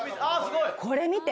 これ見て。